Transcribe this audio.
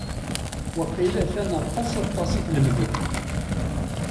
Waqil atan aṭas aṭas i tlemdem.